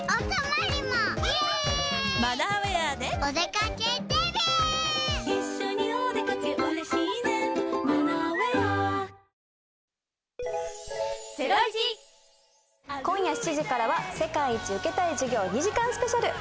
来週は都内で今夜７時からは『世界一受けたい授業』２時間スペシャル。